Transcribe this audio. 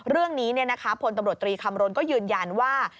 เรื่องนี้พลตำรวจตรีคำรณก็ยืนยันว่า